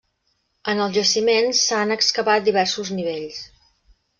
En el jaciment s'han excavat diversos nivells.